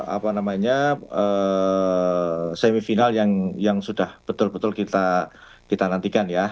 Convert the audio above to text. apa namanya semifinal yang sudah betul betul kita nantikan ya